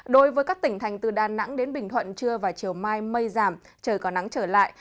đối với các tỉnh thành từ đà nẵng đến bình thuận trưa và chiều mai mây giảm trời có nắng trở lại